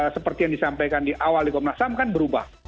seperti yang disampaikan di awal di komnasam kan berubah